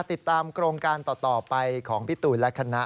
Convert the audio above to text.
ติดตามโครงการต่อไปของพี่ตูนและคณะ